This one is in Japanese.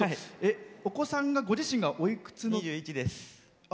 お子さんがご自身がおいくつの。